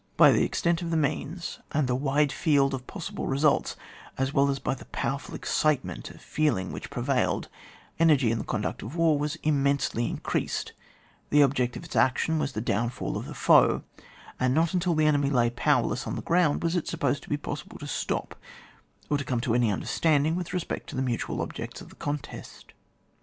By the extent of the means, and the wide field of possible results, as well as by the powerftd excitement of feeling which prevailed, energy in the conduct of war was immensely increased; the object of its action was the downfall of the foe ; and not until the enemy lay powerless on the ground was it supposed to be pos sible to stop or to come to any under standing with respect to the mutual objects of the contest.